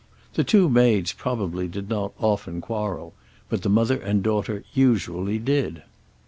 The two maids probably did not often quarrel, but the mother and daughter usually did.